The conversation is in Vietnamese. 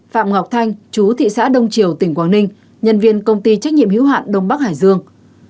phạm ngọc thanh chú thị xã đông triều tỉnh quảng ninh nhân viên công ty trách nhiệm hiếu hạn đông bắc hải dương